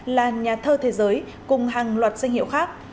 là nhà thơ thế giới cùng hàng loạt danh hiệu khác